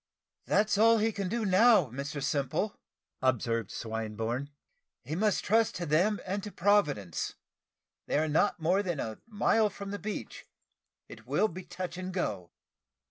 "That's all he can do now, Mr Simple," observed Swinburne; "he must trust to them and to Providence. They are not more than a mile from the beach it will be touch and go."